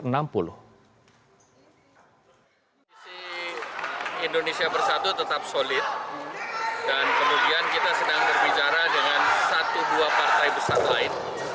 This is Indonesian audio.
komisi indonesia bersatu tetap solid dan kemudian kita sedang berbicara dengan satu dua partai besar lain